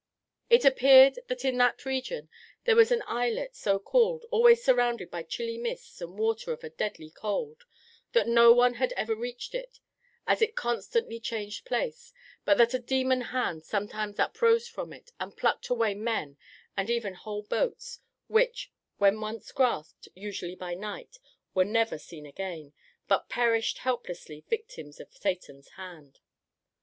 It appeared that in that region there was an islet so called, always surrounded by chilly mists and water of a deadly cold; that no one had ever reached it, as it constantly changed place; but that a demon hand sometimes uprose from it, and plucked away men and even whole boats, which, when once grasped, usually by night, were never seen again, but perished helplessly, victims of Satan's Hand.